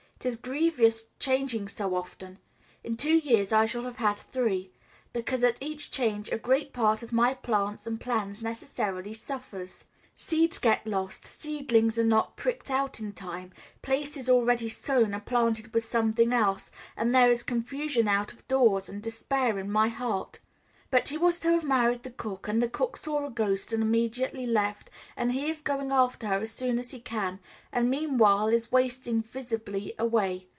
It is grievous changing so often in two years I shall have had three because at each change a great part of my plants and plans necessarily suffers. Seeds get lost, seedlings are not pricked out in time, places already sown are planted with something else, and there is confusion out of doors and despair in my heart. But he was to have married the cook, and the cook saw a ghost and immediately left, and he is going after her as soon as he can, and meanwhile is wasting visibly away.